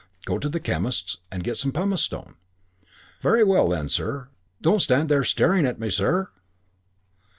Go to the chemist's and get some pumice stone.... Very well then, sir, don't stand there staring at me, sir!"